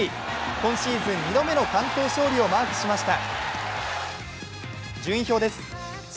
今シーズン２度目の完投勝利をマークしました。